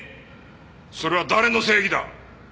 それは誰の正義だ？